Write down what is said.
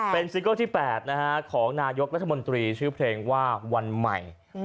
เป็นซิงเกิลที่๘ของนายกรัฐมนตรีชื่อเพลงว่าวันใหม่